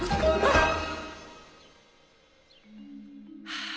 はあ。